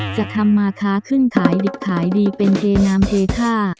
จะทำมาค้าขึ้นขายดิบขายดีเป็นเทน้ำเทท่า